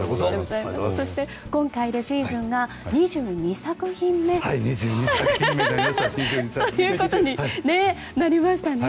そして今回でシーズンが２２作品目ということになりましたね。